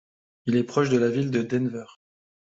Il est proche de la ville de Denver.